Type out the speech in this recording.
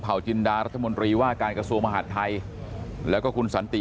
จินดารัฐมนตรีว่าการกระทรวงมหาดไทยแล้วก็คุณสันติ